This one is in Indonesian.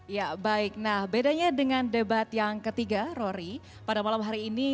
ya baik nah bedanya dengan debat yang ketiga rory pada malam hari ini